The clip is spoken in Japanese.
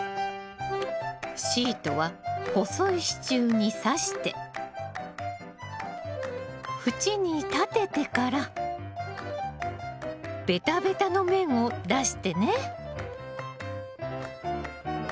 シートは細い支柱にさして縁に立ててからベタベタの面を出してね。